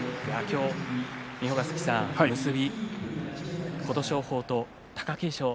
三保ヶ関さん結び琴勝峰と貴景勝